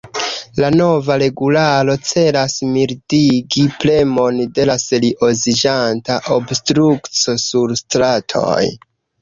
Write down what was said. La nova regularo celas mildigi premon de la serioziĝanta obstrukco sur stratoj.